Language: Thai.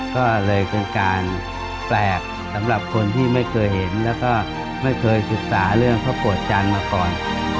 ก็เลยเป็นการแปลกสำหรับคนที่ไม่เคยเห็นแล้วก็ไม่เคยศึกษาเรื่องพระโกรธจันทร์มาก่อน